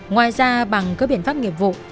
ngoài ra bằng các biện pháp nghiệp vụ